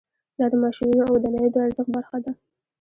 دا د ماشینونو او ودانیو د ارزښت برخه ده